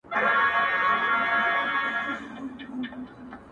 مجاهد د خداى لپاره دى لوېــدلى~